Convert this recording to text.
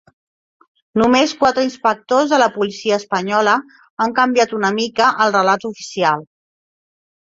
Només quatre inspectors de la policia espanyola han canviat una mica el relat oficial